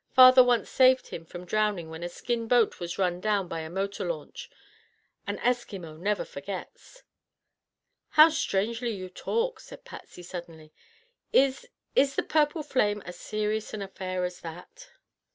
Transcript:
Father once saved him from drowning when a skin boat was run down by a motor launch. An Eskimo never forgets." "How strangely you talk," said Patsy suddenly. "Is—is the purple flame as serious an affair as that?"